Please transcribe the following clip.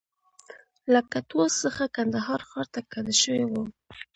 له کټواز څخه کندهار ښار ته کډه شوی و.